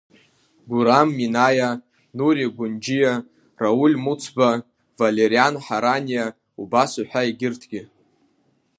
Гәырам Минаиа, Нури Ӷәынџьиа, Рауль Муцба, Валериан Ҳараниа уҳәа убас егьырҭгьы.